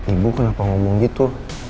ibu kenapa ngomong gitu